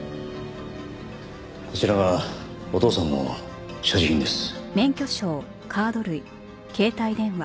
こちらがお父さんの所持品です。